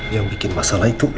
yang bikin masalah itu